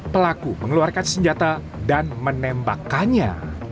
pelaku mengeluarkan senjata dan menembakkannya